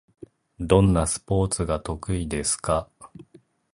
どんなスポーツが得意ですか？